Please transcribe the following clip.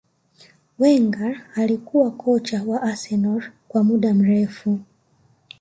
Wenger alikuwa kocha wa arsenal kwa muda mrefu